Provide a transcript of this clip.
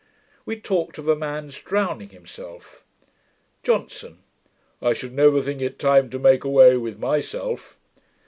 We talked of a man's drowning himself. JOHNSON. 'I should never think it time to make away with myself.'